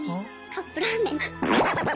カップラーメン。